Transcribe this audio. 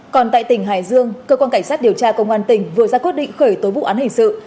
còn tại tỉnh hải dương cơ quan cảnh sát điều tra công an tỉnh vừa ra quyết định khởi tố vụ án hình sự